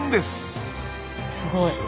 すごい。